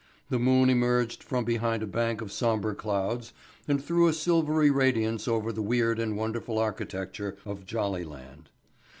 The moon emerged from behind a bank of sombre clouds and threw a silvery radiance over the weird and wonderful architecture of Jollyland.